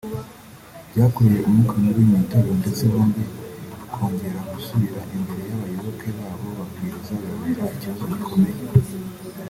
byakuruye umwuka mubi mu itorero ndetse bombi kongera gusubira imbere y’abayoboke babo babwiriza bibabera ikibazo gikomeye